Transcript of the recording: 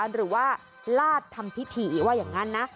หรือว่าลาดทำพิธีว่าอย่างนั้นนะ